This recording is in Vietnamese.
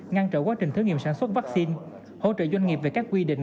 ngăn chặn quá trình thử nghiệm sản xuất vaccine hỗ trợ doanh nghiệp về các quy định